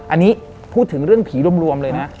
อันนี้พูดถึงเรื่องผีรวมเลยนะ